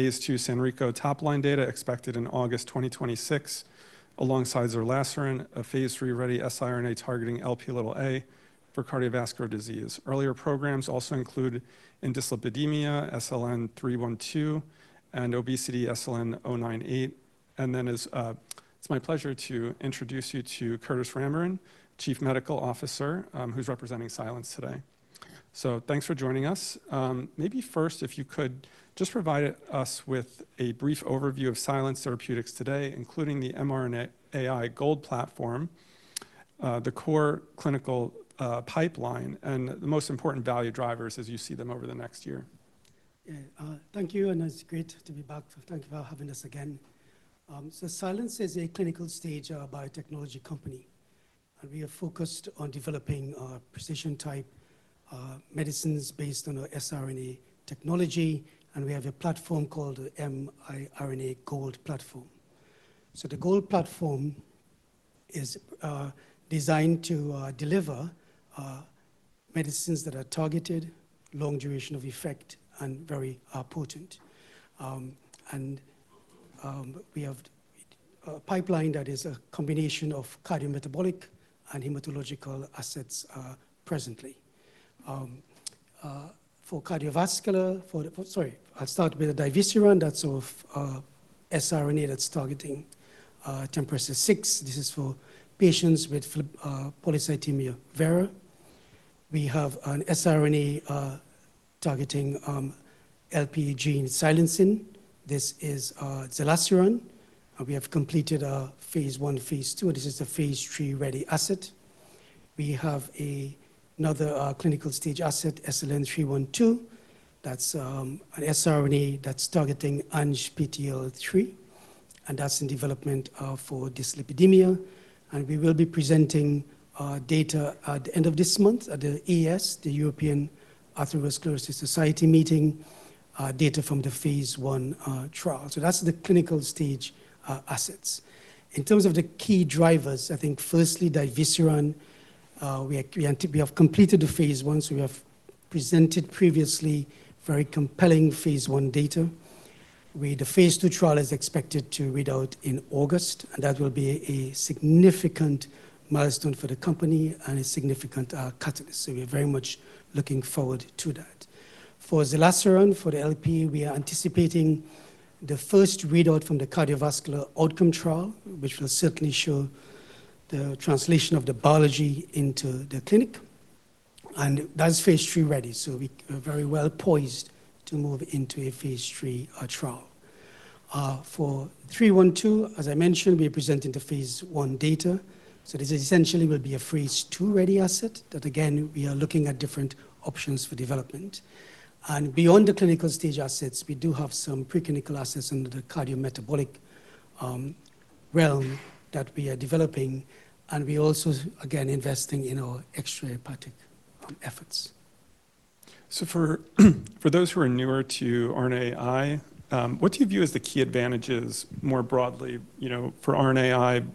phase II SANRECO top line data expected in August 2026 alongside zerlasiran, a phase III-ready siRNA targeting Lp(a) for cardiovascular disease. Earlier programs also include in dyslipidemia SLN312 and obesity SLN098. It's my pleasure to introduce you to Curtis Rambaran, Chief Medical Officer, who's representing Silence today. Thanks for joining us. Maybe first, if you could just provide us with a brief overview of Silence Therapeutics today, including the mRNAi GOLD Platform, the core clinical pipeline, and the most important value drivers as you see them over the next year. Yeah. Thank you, and it's great to be back. Thank you for having us again. Silence is a clinical stage biotechnology company, and we are focused on developing precision-type medicines based on our siRNA technology, and we have a platform called mRNAi GOLD Platform. The GOLD Platform is designed to deliver medicines that are targeted, long duration of effect, and very potent. We have a pipeline that is a combination of cardiometabolic and hematological assets presently. I'll start with the divesiran that's of siRNA that's targeting TMPRSS6. This is for patients with polycythemia vera. We have an siRNA targeting Lp(a) gene silencing. This is the zerlasiran. We have completed our phase I, phase II. This is a phase III-ready asset. We have another clinical stage asset, SLN312. That's an siRNA that's targeting ANGPTL3, and that's in development for dyslipidemia, and we will be presenting data at the end of this month at the EAS, the European Atherosclerosis Society meeting, data from the phase I trial. That's the clinical stage assets. In terms of the key drivers, I think firstly, divesiran, we have completed the phase I. We have presented previously very compelling phase I data. The phase II trial is expected to read out in August. That will be a significant milestone for the company and a significant catalyst. We are very much looking forward to that. For the zerlasiran, for the Lp(a), we are anticipating the first readout from the cardiovascular outcome trial, which will certainly show the translation of the biology into the clinic, and that's phase III-ready, so we are very well poised to move into a phase III trial. For SLN312, as I mentioned, we are presenting the phase I data, so this essentially will be a phase II-ready asset that again we are looking at different options for development. Beyond the clinical stage assets, we do have some preclinical assets under the cardiometabolic realm that we are developing, and we're also again investing in our extrahepatic efforts. For those who are newer to RNAi, what do you view as the key advantages more broadly, you know, for RNAi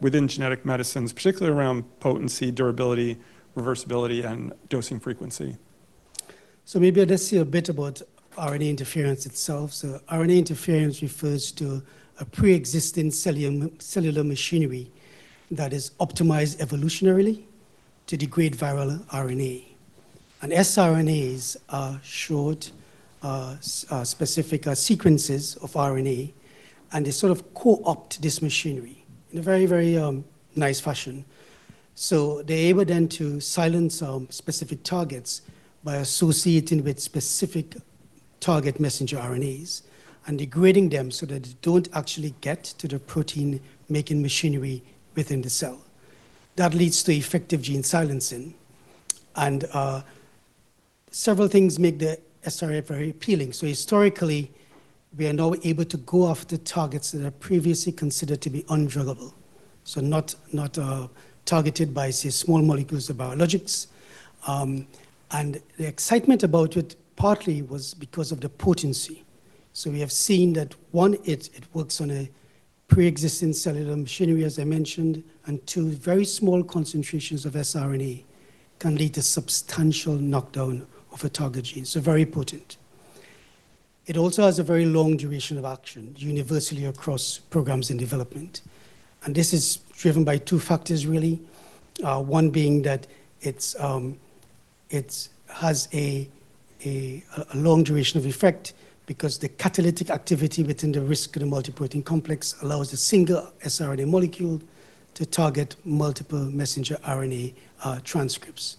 within genetic medicines, particularly around potency, durability, reversibility, and dosing frequency? Maybe I just say a bit about RNA interferons itself. RNA interferons refers to a preexisting cellular machinery that is optimized evolutionarily to degrade viral RNA. siRNAs are short, specific sequences of RNA, and they sort of co-opt this machinery in a very, very nice fashion. They're able then to silence specific targets by associating with specific target messenger RNAs and degrading them so that they don't actually get to the protein-making machinery within the cell. That leads to effective gene silencing, and several things make the siRNA very appealing. Historically, we are now able to go after targets that are previously considered to be undruggable, not targeted by, say, small molecules or biologics. And the excitement about it partly was because of the potency. We have seen that, one, it works on a preexisting cellular machinery, as I mentioned, and two, very small concentrations of siRNA can lead to substantial knockdown of a target gene. Very potent. It also has a very long duration of action universally across programs in development, and this is driven by two factors really. One being that it has a long duration of effect because the catalytic activity within the RISC of the multiprotein complex allows a single siRNA molecule to target multiple messenger RNA transcripts.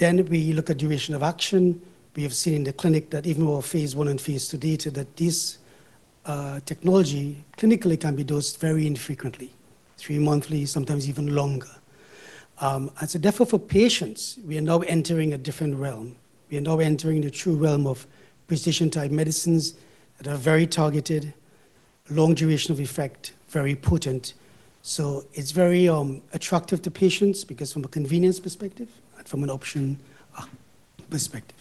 We look at duration of action. We have seen in the clinic that even with our phase I and phase II data that this technology clinically can be dosed very infrequently, three monthly, sometimes even longer. Therefore for patients, we are now entering a different realm. We are now entering the true realm of precision-type medicines that are very targeted, long duration of effect, very potent. It's very attractive to patients because from a convenience perspective and from an option perspective.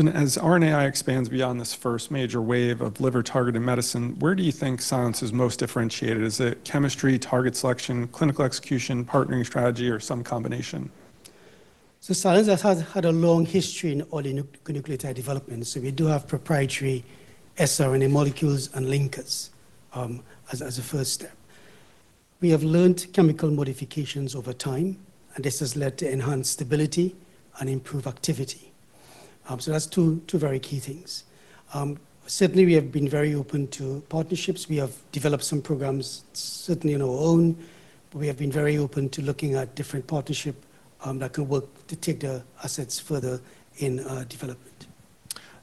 As RNAi expands beyond this first major wave of liver-targeted medicine, where do you think Silence is most differentiated? Is it chemistry, target selection, clinical execution, partnering strategy, or some combination? Silence has had a long history in oligonucleotide development. We do have proprietary siRNA molecules and linkers, as a first step. We have learned chemical modifications over time, and this has led to enhanced stability and improved activity. That's two very key things. Certainly we have been very open to partnerships. We have developed some programs certainly on our own. We have been very open to looking at different partnership that could work to take the assets further in development.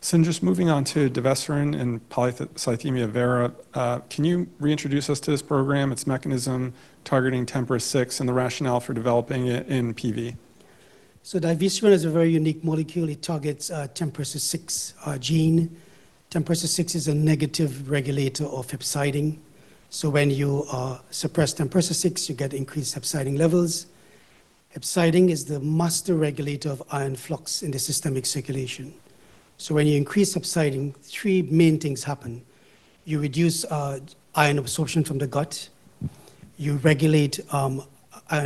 Just moving on to divesiran and polycythemia vera, can you reintroduce us to this program, its mechanism targeting TMPRSS6 and the rationale for developing it in PV? Divesiran is a very unique molecule. It targets TMPRSS6 gene. TMPRSS6 is a negative regulator of hepcidin. When you suppress TMPRSS6, you get increased hepcidin levels. Hepcidin is the master regulator of iron flux in the systemic circulation. When you increase hepcidin, three main things happen. You reduce iron absorption from the gut, you regulate iron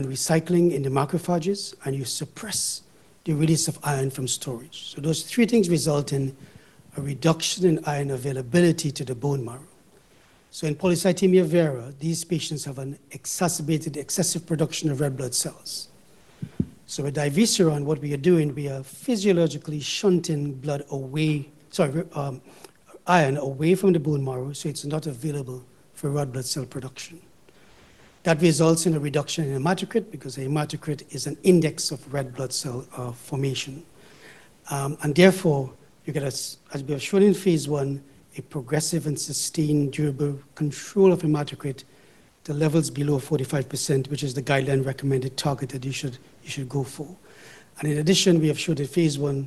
recycling in the macrophages, and you suppress the release of iron from storage. Those three things result in a reduction in iron availability to the bone marrow. In polycythemia vera, these patients have an exacerbated excessive production of red blood cells. With divesiran, what we are doing, we are physiologically shunting iron away from the bone marrow, so it is not available for red blood cell production. That results in a reduction in hematocrit because a hematocrit is an index of red blood cell formation. Therefore, you get, as we have shown in phase I, a progressive and sustained durable control of hematocrit to levels below 45%, which is the guideline recommended target that you should go for. In addition, we have showed that phase I,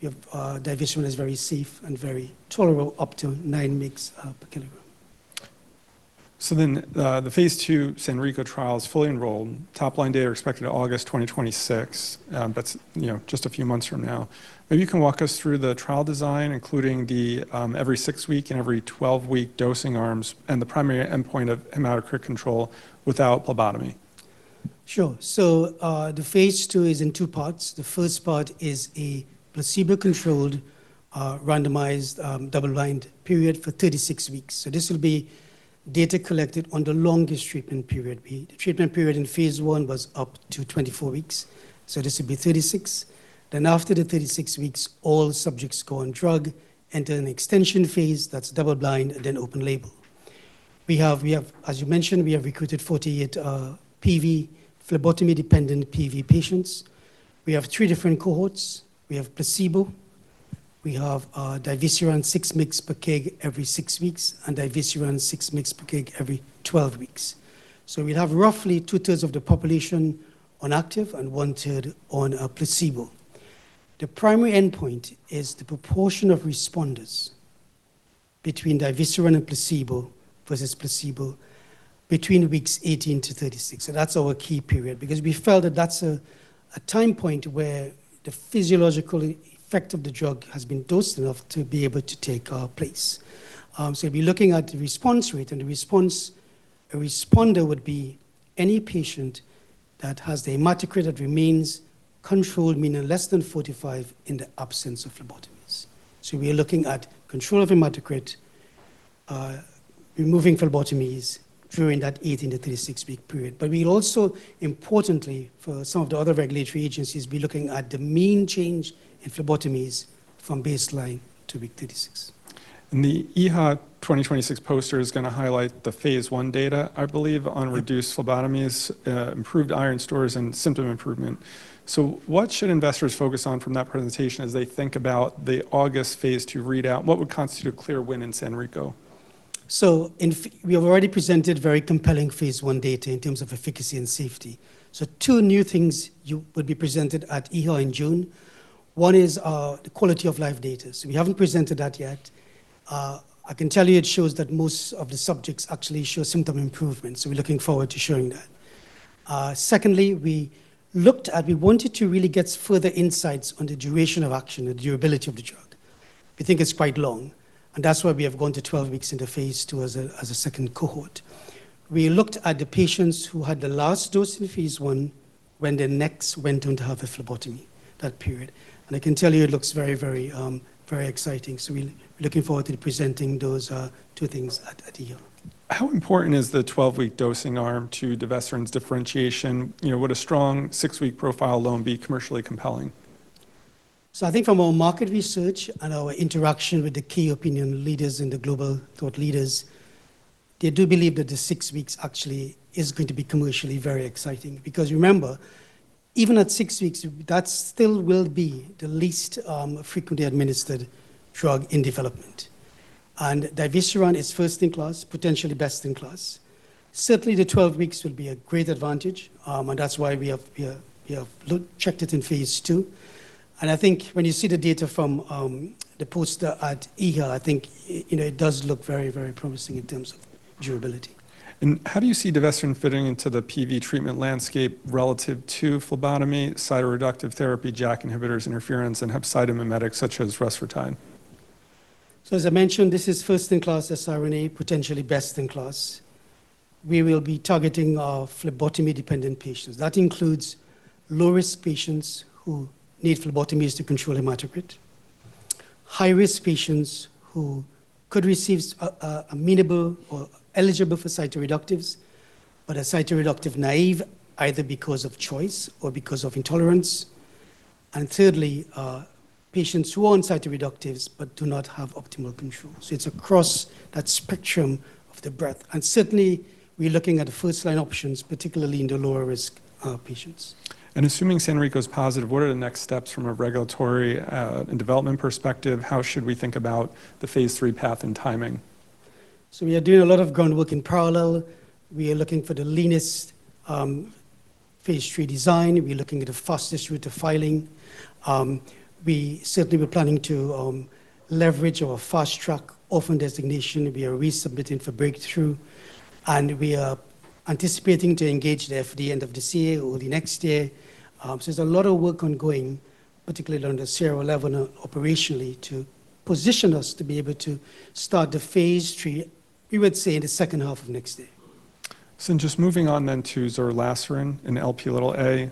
we have divesiran is very safe and very tolerable up to 9 mgs per kilogram. The phase II SANRECO trial is fully enrolled. Top-line data are expected August 2026. That's, you know, just a few months from now. Maybe you can walk us through the trial design, including the every 6-week and every 12-week dosing arms and the primary endpoint of hematocrit control without phlebotomy. Sure. The phase II is in two parts. The first part is a placebo-controlled, randomized, double-blind period for 36 weeks. This will be data collected on the longest treatment period. The treatment period in phase I was up to 24 weeks. This will be 36. After the 36 weeks, all subjects go on drug, enter an extension phase that's double blind and then open label. As you mentioned, we have recruited 48 PV phlebotomy-dependent PV patients. We have three different cohorts. We have placebo, we have divesiran 6 mgs per kg every 6 weeks, and divesiran 6 mgs per kg every 12 weeks. We have roughly 2/3 of the population on active and 1/3 on a placebo. The primary endpoint is the proportion of responders between divesiran and placebo versus placebo between weeks 18 to 36. That's our key period because we felt that that's a time point where the physiological effect of the drug has been dosed enough to be able to take place. We'll be looking at the response rate and a responder would be any patient that has the hematocrit that remains controlled, meaning less than 45 in the absence of phlebotomies. We are looking at control of hematocrit, removing phlebotomies during that 18-36 week period. We'll also importantly for some of the other regulatory agencies be looking at the mean change in phlebotomies from baseline to week 36. The EHA 2026 poster is going to highlight the phase I data, I believe, on reduced phlebotomies, improved iron stores, and symptom improvement. What should investors focus on from that presentation as they think about the August phase II readout? What would constitute a clear win in SANRECO? We have already presented very compelling phase I data in terms of efficacy and safety. Two new things will be presented at EHA in June. One is the quality of life data. We haven't presented that yet. I can tell you it shows that most of the subjects actually show symptom improvement, so we're looking forward to showing that. Secondly, we wanted to really get further insights on the duration of action, the durability of the drug. We think it's quite long, and that's why we have gone to 12 weeks in the phase II as a second cohort. We looked at the patients who had the last dose in phase I when their next went on to have a phlebotomy that period. I can tell you it looks very, very exciting. We're looking forward to presenting those, two things at EHA. How important is the 12-week dosing arm to divesiran's differentiation? You know, would a strong six-week profile alone be commercially compelling? I think from our market research and our interaction with the key opinion leaders and the global thought leaders, they do believe that the six weeks actually is going to be commercially very exciting. Because remember, even at six weeks, that still will be the least frequently administered drug in development. divesiran is first in class, potentially best in class. Certainly, the 12 weeks will be a great advantage, and that's why we have checked it in phase II. I think when you see the data from the poster at EHA, I think, you know, it does look very, very promising in terms of durability. How do you see divesiran fitting into the PV treatment landscape relative to phlebotomy, cytoreductive therapy, JAK inhibitors interference, and hepcidin mimetics such as rusfertide? As I mentioned, this is first-in-class siRNA, potentially best-in-class. We will be targeting our phlebotomy-dependent patients. That includes low-risk patients who need phlebotomies to control hematocrit, high-risk patients who could receive amenable or eligible for cytoreductives, but are cytoreductive naive either because of choice or because of intolerance, and thirdly, patients who are on cytoreductives but do not have optimal control. It's across that spectrum of the breadth. Certainly, we're looking at the first-line options, particularly in the lower risk patients. Assuming SANRECO is positive, what are the next steps from a regulatory and development perspective? How should we think about the phase III path and timing? We are doing a lot of groundwork in parallel. We are looking for the leanest, phase III design. We're looking at the fastest route to filing. We certainly were planning to leverage our Fast Track Orphan Designation. We are resubmitting for breakthrough, and we are anticipating to engage the FDA end of this year or the next year. There's a lot of work ongoing, particularly around the CRO level operationally, to position us to be able to start the phase III, we would say in H2 of next year. Just moving on to zerlasiran and Lp(a),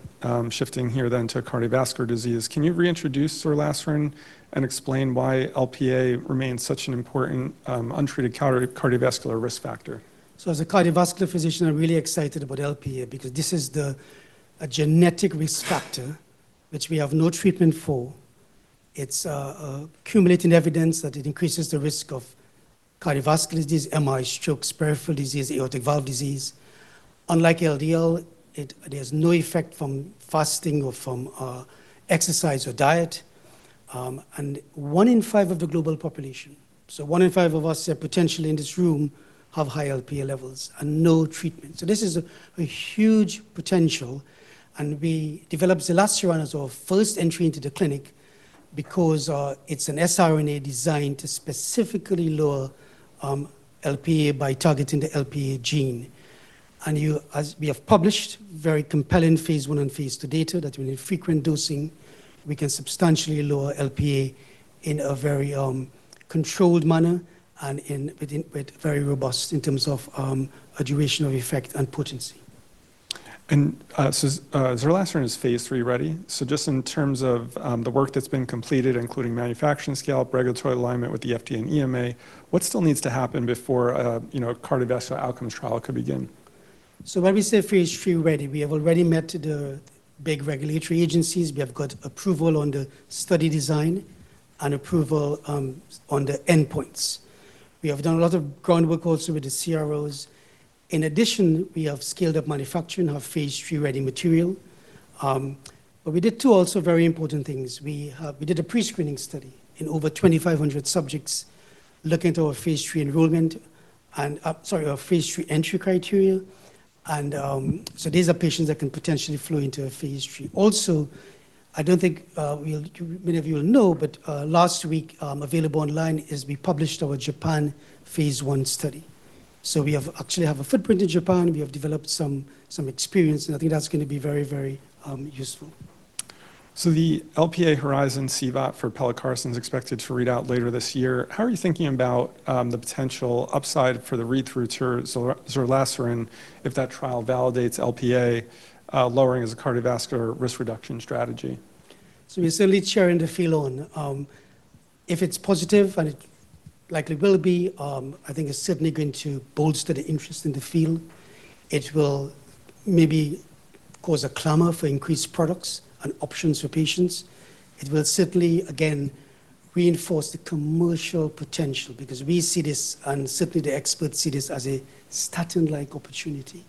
shifting here to cardiovascular disease. Can you reintroduce zerlasiran and explain why Lp(a) remains such an important, untreated cardiovascular risk factor? As a cardiovascular physician, I'm really excited about Lp(a) because this is a genetic risk factor which we have no treatment for. It's accumulating evidence that it increases the risk of cardiovascular disease, MIs, strokes, peripheral disease, aortic valve disease. Unlike LDL, there's no effect from fasting or from exercise or diet. one in five of the global population, so one in five of us potentially in this room, have high Lp(a) levels and no treatment. This is a huge potential, and we developed zerlasiran as our first entry into the clinic because it's an siRNA designed to specifically lower Lp(a) by targeting the Lp(a) gene. As we have published very compelling Phase I and Phase II data that we need frequent dosing, we can substantially lower Lp in a very controlled manner and with very robust in terms of a duration of effect and potency. Zerlasiran is phase III-ready. Just in terms of the work that's been completed, including manufacturing scale-up, regulatory alignment with the FDA and EMA, what still needs to happen before a, you know, a cardiovascular outcomes trial could begin? When we say phase III-ready, we have already met the big regulatory agencies. We have got approval on the study design and approval on the endpoints. We have done a lot of groundwork also with the CROs. In addition, we have scaled up manufacturing of phase III-ready material. We did two also very important things. We did a pre-screening study in over 2,500 subjects looking at our phase III enrollment, our phase III entry criteria. I don't think many of you will know, last week, available online is we published our Japan phase I study. We actually have a footprint in Japan. We have developed some experience, and I think that's gonna be very useful. The Lp(a) HORIZON CVOT for pelacarsen is expected to read out later this year. How are you thinking about the potential upside for the read-through to zerlasiran if that trial validates Lp(a) lowering as a cardiovascular risk reduction strategy? We're certainly sharing the feel on, if it's positive and it likely will be, I think it's certainly going to bolster the interest in the field. It will maybe cause a clamor for increased products and options for patients. It will certainly, again, reinforce the commercial potential because we see this, and certainly the experts see this as a statin-like opportunity.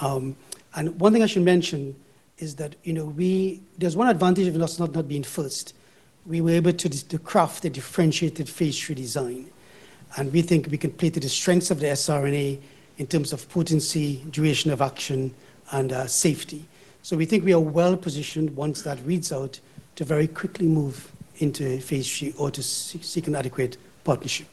And one thing I should mention is that, you know, there's one advantage of us not being first. We were able to craft a differentiated phase III design, and we think we can play to the strengths of the siRNA in terms of potency, duration of action, and safety. We think we are well-positioned once that reads out to very quickly move into a Phase III or to seek an adequate partnership.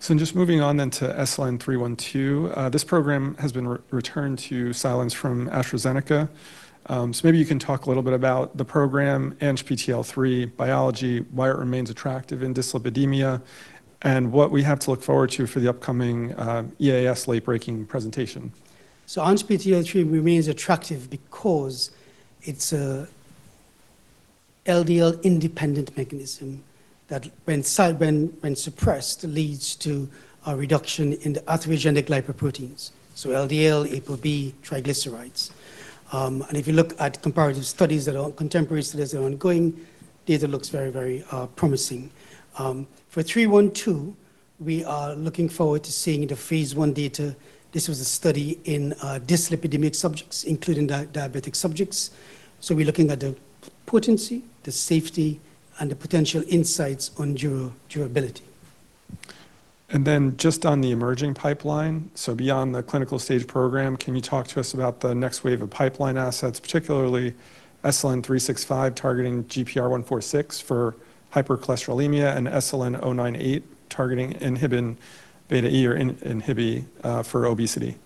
Just moving on to SLN312. This program has been re-returned to Silence from AstraZeneca. Maybe you can talk a little bit about the program, ANGPTL3 biology, why it remains attractive in dyslipidemia, and what we have to look forward to for the upcoming, EAS late-breaking presentation. ANGPTL3 remains attractive because it's a LDL-independent mechanism that when suppressed leads to a reduction in the atherogenic lipoproteins, so LDL, ApoB, triglycerides. If you look at contemporary studies that are ongoing, data looks very, very promising. For SLN312, we are looking forward to seeing the phase I data. This was a study in dyslipidemic subjects, including diabetic subjects. We're looking at the potency, the safety, and the potential insights on durability. Then just on the emerging pipeline, so beyond the clinical stage program, can you talk to us about the next wave of pipeline assets, particularly SLN365 targeting GPR146 for hypercholesterolemia and SLN098 targeting INHBE for obesity?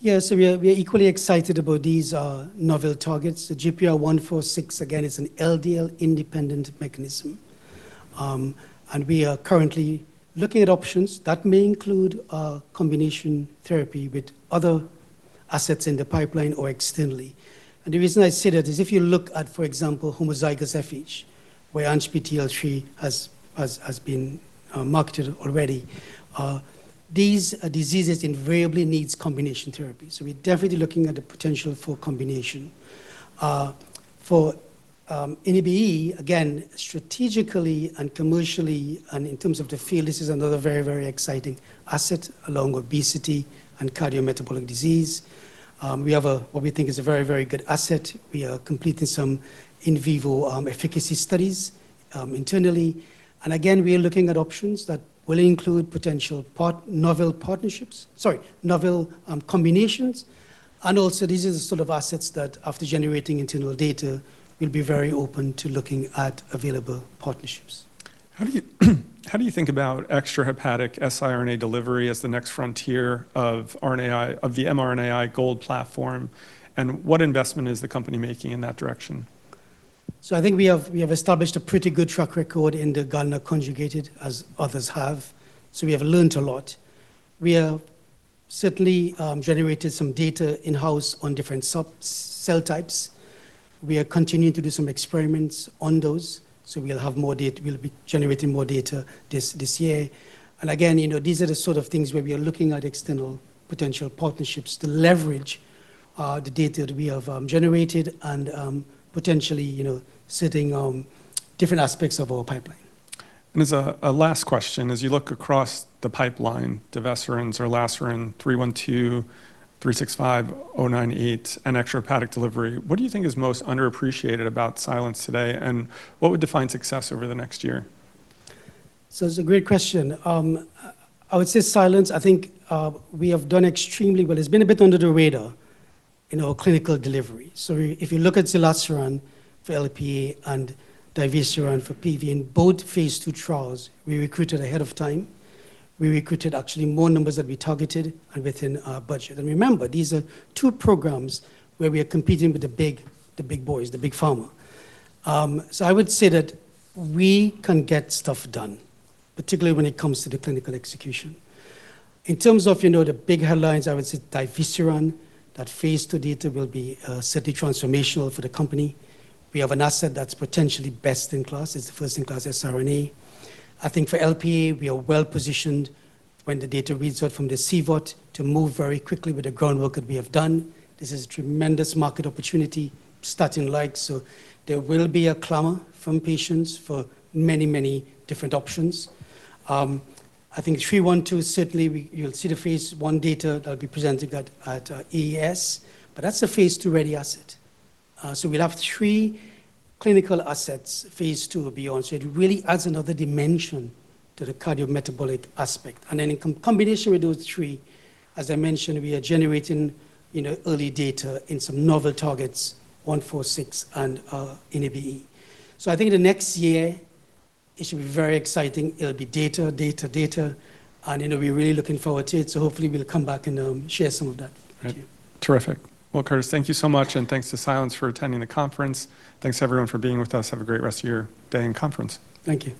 Yeah, we are equally excited about these novel targets. The GPR146, again, is an LDL-independent mechanism. We are currently looking at options that may include a combination therapy with other assets in the pipeline or externally. The reason I say that is if you look at, for example, homozygous FH, where ANGPTL3 has been marketed already, these diseases invariably needs combination therapy. We're definitely looking at the potential for combination. For INHBE, again, strategically and commercially and in terms of the field, this is another very exciting asset along obesity and cardiometabolic disease. We have a, what we think is a very good asset. We are completing some in vivo efficacy studies internally. Again, we are looking at options that will include potential novel partnerships. Sorry, novel combinations. Also, these are the sort of assets that after generating internal data, we'll be very open to looking at available partnerships. How do you think about extrahepatic siRNA delivery as the next frontier of RNAi of the mRNAi GOLD Platform, and what investment is the company making in that direction? I think we have established a pretty good track record in the GalNAc conjugated, as others have. We have certainly generated some data in-house on different sub- cell types. We are continuing to do some experiments on those, so we'll be generating more data this year. Again, you know, these are the sort of things where we are looking at external potential partnerships to leverage the data that we have generated and potentially, you know, sitting on different aspects of our pipeline. As a last question, as you look across the pipeline to divesiran or zerlasiran, SLN312, SLN365, SLN098, and extrahepatic delivery, what do you think is most underappreciated about Silence today, and what would define success over the next year? It's a great question. I would say Silence, I think, we have done extremely well. It's been a bit under the radar in our clinical delivery. If you look at zerlasiran for Lp(a) and divesiran for PV in both phase II trials, we recruited ahead of time. We recruited actually more numbers than we targeted and within our budget. Remember, these are two programs where we are competing with the big boys, the big pharma. I would say that we can get stuff done, particularly when it comes to the clinical execution. In terms of, you know, the big headlines, I would say divesiran, that phase II data will be certainly transformational for the company. We have an asset that's potentially best in class. It's the first in class siRNA. I think for Lp(a), we are well-positioned when the data reads out from the CVOT to move very quickly with the groundwork that we have done. This is tremendous market opportunity, statin-like. There will be a clamor from patients for many, many different options. I think SLN312 certainly you'll see the phase I data that'll be presented at EAS. That's a phase II-ready asset. We'll have three clinical assets, phase II and beyond. It really adds another dimension to the cardiometabolic aspect. In combination with those three, as I mentioned, we are generating, you know, early data in some novel targets, SLN365 and INHBE. I think the next year it should be very exciting. It'll be data, data, and, you know, we're really looking forward to it, so hopefully we'll come back and share some of that with you. Right. Terrific. Well, Curtis Rambaran, thank you so much, and thanks to Silence for attending the conference. Thanks, everyone, for being with us. Have a great rest of your day and conference. Thank you.